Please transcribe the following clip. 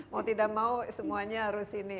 mau tidak mau semuanya harus ini